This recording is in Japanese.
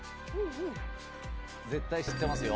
絶対知ってますよ。